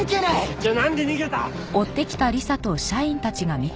じゃあなんで逃げた？